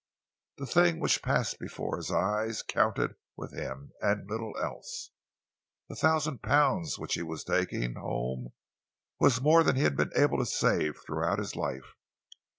The things which passed before his eyes counted with him, and little else. The thousand pounds which he was taking home was more than he had been able to save throughout his life.